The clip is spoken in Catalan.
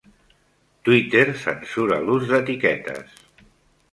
Twitter censura l'ús d'etiquetes